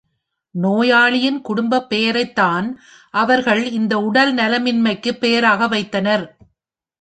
நோயாளியின் குடும்பப் பெயரைத்தான் அவர்கள் இந்த உடல்நலமின்மைக்கு பெயராக வைத்தனர்.